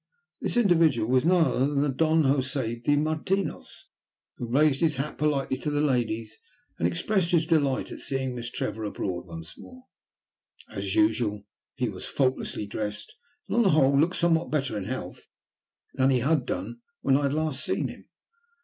This individual was none other than the Don Josè de Martinos, who raised his hat politely to the ladies and expressed his delight at seeing Miss Trevor abroad once more. As usual, he was faultlessly dressed, and on the whole looked somewhat better in health than he had done when I had last seen him.